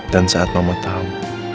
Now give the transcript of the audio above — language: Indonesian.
dan saat mama tau